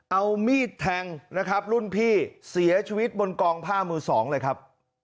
เอามีดแทงนะครับรุ่นพี่เสียชีวิตบนกองผ้ามือสองเลยครับ